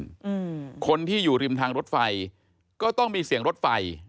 อืมคนที่อยู่ริมทางรถไฟก็ต้องมีเสียงรถไฟ